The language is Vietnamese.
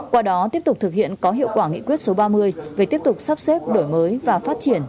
qua đó tiếp tục thực hiện có hiệu quả nghị quyết số ba mươi về tiếp tục sắp xếp đổi mới và phát triển